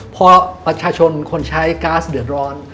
พอประชาชนคนใช้ก๊าซเดือดร้อน